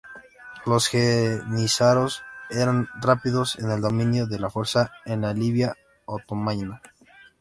Los jenízaros eran rápidos en el dominio de la fuerza en la Libia otomana.